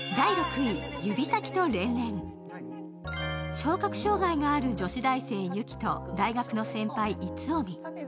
聴覚障害がある女子大生・雪と大学の先輩・逸臣。